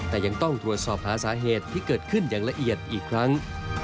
แต่ยังต้องตรวจสอบหาสาเหตุที่เกิดขึ้นอย่างละเอียดอีกครั้ง